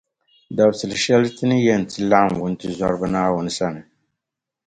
Dabsi’ shεli Ti ni yɛn ti laɣim wuntizɔriba Naawuni sani.